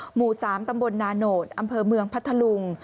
หมู่๓ตำบลนาโนธอำเภอเมืองพัทธลุง